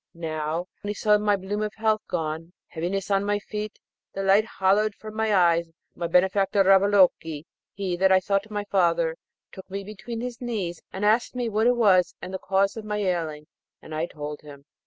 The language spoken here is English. Now, when he saw my bloom of health gone, heaviness on my feet, the light hollowed from my eyes, my benefactor, Ravaloke he that I had thought my father took me between his knees, and asked me what it was and the cause of my ailing; and I told him.